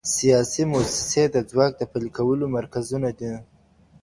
سياسي موسسې د ځواک د پلي کولو مرکزونه دي.